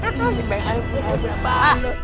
ini baik alfahal berapa hal lo